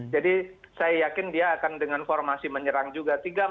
jadi saya yakin dia akan dengan formasi menyerang juga